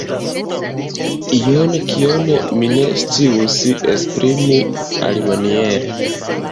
Ion, kion mi ne scius esprimi alimaniere.